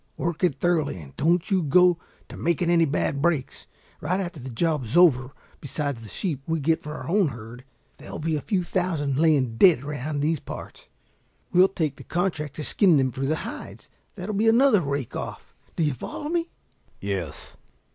Work it thoroughly and don't you go to making any bad breaks. Right after the job is over, besides the sheep we get for our own herd, there'll be a few thousand laying dead around these parts. We'll take the contract to skin them for the hides. That'll be another rake off. Do you follow me?" "Yes."